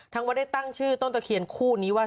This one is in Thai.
วัดได้ตั้งชื่อต้นตะเคียนคู่นี้ว่า